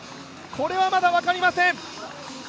これはまだ分かりません！